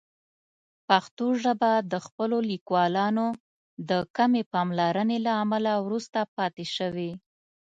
پښتو ژبه د خپلو لیکوالانو د کمې پاملرنې له امله وروسته پاتې شوې.